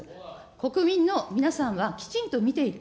国民の皆さんはきちんと見ている。